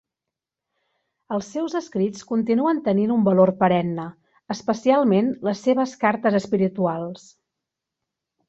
Els seus escrits continuen tenint un valor perenne, especialment les seves "Cartes espirituals".